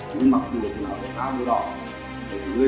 chúng mặc được thì nó vô tháo vô đỏ để chúng tôi lên lên